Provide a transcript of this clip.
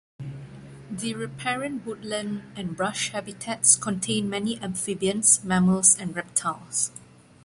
The riparian woodland and brush habitats contain many amphibians, mammals and reptiles.